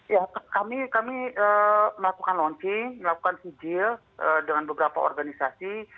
ya kami melakukan launching melakukan fujil dengan beberapa organisasi